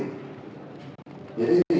itu lebih penting